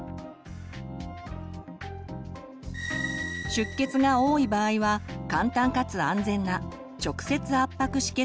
出血が多い場合は簡単かつ安全な直接圧迫止血